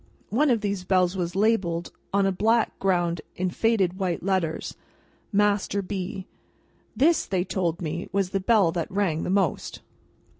One of these bells was labelled, on a black ground in faded white letters, MASTER B. This, they told me, was the bell that rang the most.